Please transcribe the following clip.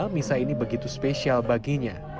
misa ini begitu spesial baginya